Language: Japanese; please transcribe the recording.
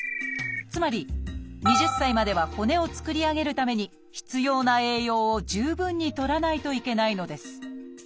つまり２０歳までは骨を作り上げるために必要な栄養を十分にとらないといけないのです。